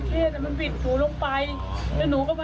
เรียกให้คนข้างเขาช่วย